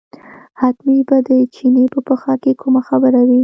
حتمي به د چیني په پېښه کې کومه خبره وي.